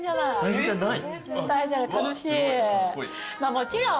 もちろん。